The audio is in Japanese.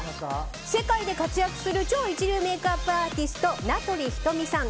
世界で活躍する超一流メイクアップアーティスト名取瞳さん